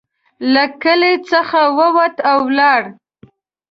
له کلي څخه ووت او ولاړ.